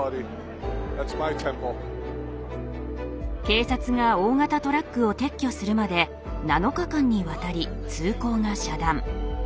警察が大型トラックを撤去するまで７日間にわたり通行が遮断。